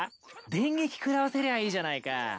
電撃食らわせりゃいいじゃないか。